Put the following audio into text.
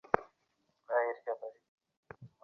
এরপর কাদেসিয়ার যুদ্ধ হল।